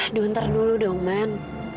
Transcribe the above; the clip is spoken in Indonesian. aduh ntar dulu dong man